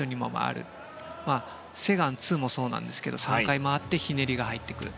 リ・セグァン２もそうなんですが３回回ってひねりが入ってくる。